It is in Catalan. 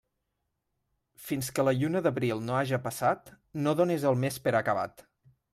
Fins que la lluna d'abril no haja passat, no dónes el mes per acabat.